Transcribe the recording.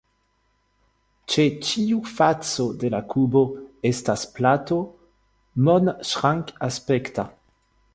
Ĉe ĉiu faco de la kubo estas plato, monŝrankaspekta.